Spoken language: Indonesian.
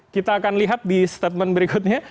kita akan lihat di statement berikutnya